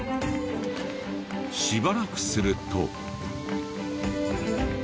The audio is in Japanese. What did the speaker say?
しばらくすると。